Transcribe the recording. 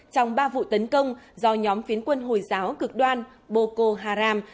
trong ba vụ tấn công do nhóm phiến quân hồi giáo cực đoan boko haram